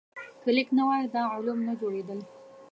که لیک نه وای، دا علوم نه جوړېدل.